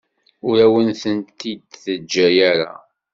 Ur awen-tent-id-teǧǧa ara.